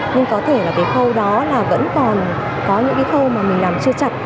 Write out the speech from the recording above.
nhưng có thể là cái khâu đó là vẫn còn có những cái khâu mà mình làm chưa chặt